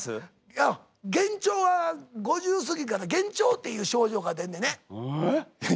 いや幻聴は５０過ぎから幻聴っていう症状が出んねんね。え！？